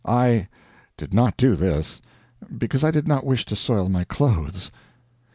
I did not do this, because I did not wish to soil my clothes.